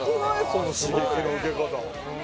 その刺激の受け方。